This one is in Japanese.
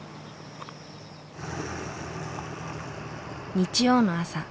日曜の朝。